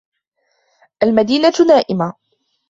المدينة نائمة